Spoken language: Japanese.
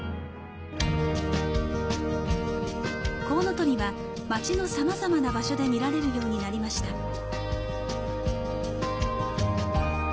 コウノトリは、まちのさまざまな場所で見られるようになりました。